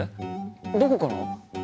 どこから？